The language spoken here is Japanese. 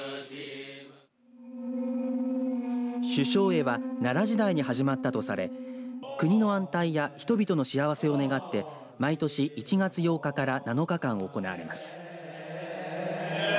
修正会は奈良時代に始まったとされ国の安泰や人々の幸せを願って毎年１月８日から７日間行われます。